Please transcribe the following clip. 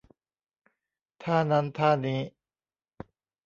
ท่านั้นท่านี้